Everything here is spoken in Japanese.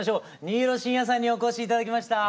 新納慎也さんにお越し頂きました。